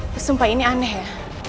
aku sumpah ini aneh ya